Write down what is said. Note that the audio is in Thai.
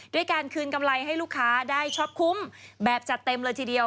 ด้วยการคืนกำไรให้ลูกค้าได้ช็อปคุ้มแบบจัดเต็มเลยทีเดียว